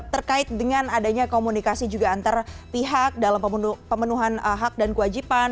terkait dengan adanya komunikasi juga antar pihak dalam pemenuhan hak dan kewajiban